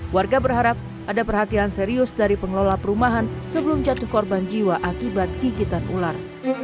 warga berharap ada perhatian serius dari pengelola perumahan sebelum jatuh korban jiwa akibat gigitan ular